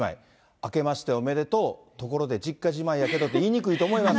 あけましておめでとう、ところで実家じまいやけどって、言いにくいと思います。